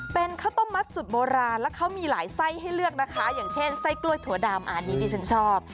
เป็นข้าวต้มมัดจุดโบราณแล้วเขามีหลายไส้ให้เลือกนะคะอย่างเช่นไส้กล้วยถั่วดำอันนี้ดิฉันชอบ